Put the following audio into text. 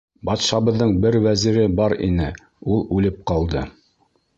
Батшабыҙҙың бер вәзире бар ине, ул үлеп ҡалды.